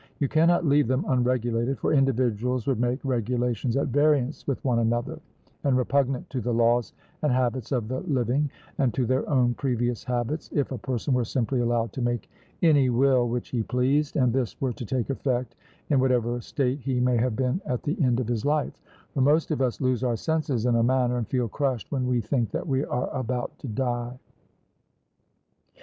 You cannot leave them unregulated, for individuals would make regulations at variance with one another, and repugnant to the laws and habits of the living and to their own previous habits, if a person were simply allowed to make any will which he pleased, and this were to take effect in whatever state he may have been at the end of his life; for most of us lose our senses in a manner, and feel crushed when we think that we are about to die.